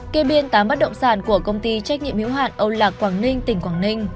kê biên tám bắt động sản của công ty trách nhiệm hữu hạn âu lạc quảng ninh tỉnh quảng ninh